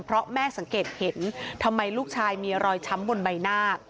เพราะแม่สังเกตเห็นทำไมลูกชายมีรอยช้ำบนใบหน้า